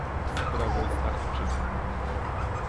sprawozdawczyn